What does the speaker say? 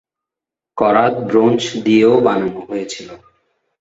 করাত ব্রোঞ্জ দিয়েও বানানো হয়েছিল।